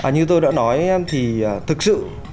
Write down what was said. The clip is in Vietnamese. như tôi đã nói thì thực sự